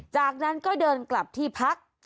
จากนั้นก็เดินกลับที่พัก